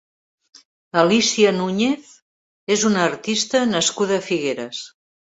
Alicia Núñez és una artista nascuda a Figueres.